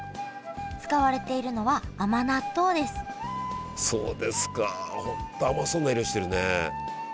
使われているのは甘納豆ですそうですかほんと甘そうな色してるね。